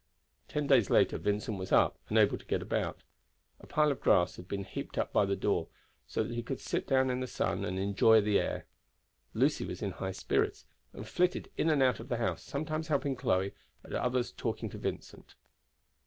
Ten days later Vincent was up, and able to get about. A pile of grass had been heaped up by the door, so that he could sit down in the sun and enjoy the air. Lucy was in high spirits, and flitted in and out of the house, sometimes helping Chloe, at others talking to Vincent.